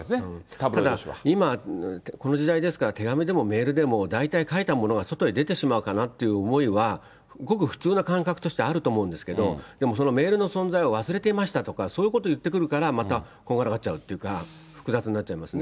ただ、今、この時代ですから、手紙でもメールでも、書いたものは外へ出てしまうかなっていう思いは、ごく普通な感覚としてあると思うんですけど、でもそのメールの存在を忘れていましたとか、そういうこと言ってくるから、またこんがらがっちゃうっていうか、複雑になっちゃいますよね。